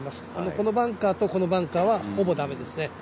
このバンカーとこのバンカーはほぼだめですね。